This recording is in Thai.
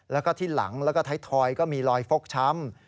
แล้วก็ที่หลังแล้วก็ท้ายทอยก็มีรอยฟกช้ำ